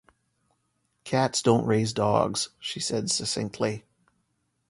"Cats don't raise dogs", she said succinctly.